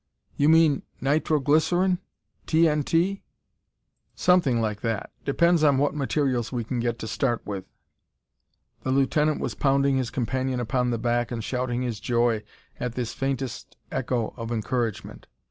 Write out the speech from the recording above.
"You mean nitro glycerine? TNT?" "Something like that. Depends upon what materials we can get to start with." The lieutenant was pounding his companion upon the back and shouting his joy at this faintest echo of encouragement.